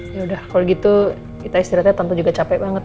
yaudah kalo gitu kita istirahat ya tante juga capek banget